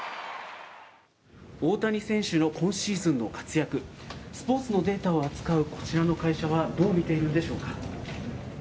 大谷選手の今シーズンの活躍、スポーツのデータを扱うこちらの会社はどう見ているんでしょうか。